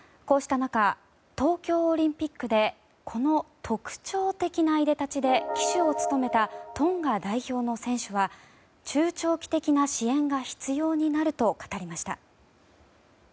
こうした中、東京オリンピックでこの特徴的ないでたちで旗手を務めたトンガ代表の選手は中長期的な支援が必要になると語りました。